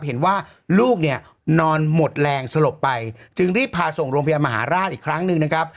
เห็นว่าลูกเนี่ยนอนหมดแรงสลบไปจึงรีบพาส่งโรงพยาบาลมหาราชอีกครั้งหนึ่งนะครับ